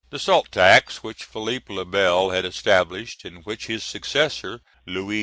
The salt tax, which Philippe le Bel had established, and which his successor, Louis X.